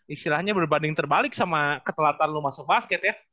istilahnya berbanding terbalik sama ketelatan lo masuk basket ya